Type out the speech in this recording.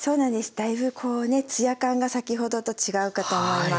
だいぶこうねツヤ感が先ほどと違うかと思います。